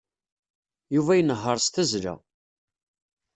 Yuba inehheṛ s tazzla.